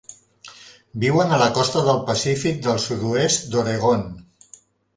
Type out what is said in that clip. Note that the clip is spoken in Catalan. Viuen a la costa del Pacífic del sud-oest d'Oregon.